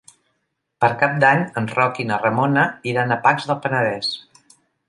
Per Cap d'Any en Roc i na Ramona iran a Pacs del Penedès.